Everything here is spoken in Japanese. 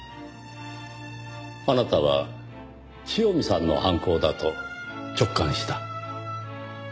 あなたは塩見さんの犯行だと直感した。